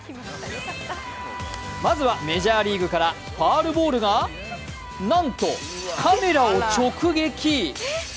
まずはメジャーリーグからファウルボールがなんとカメラを直撃。